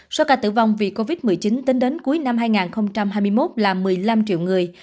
số ca tử vong vì covid một mươi chín tính đến cuối năm hai nghìn hai mươi một là một mươi năm triệu người